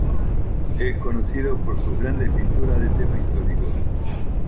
Es conocido por sus grandes pinturas de tema histórico.